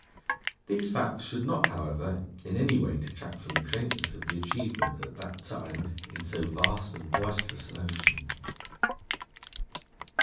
These facts should not, however, in any way detract from the greatness of the achievement at that time in so vast and boisterous an ocean.